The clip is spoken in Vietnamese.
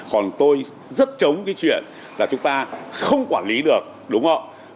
còn tôi rất chống cái chuyện là chúng ta không quản lý được đúng không ạ